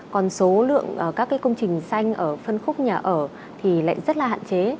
còn số lượng các công trình xanh ở phân khúc nhà ở lại rất hạn chế